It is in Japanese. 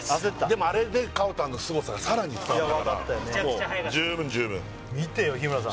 でもあれでかおたんのすごさが更に伝わったからもう十分十分見てよ日村さん